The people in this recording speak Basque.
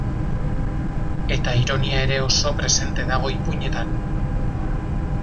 Eta ironia ere oso presente dago ipuinetan.